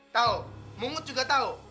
tau mungut juga tau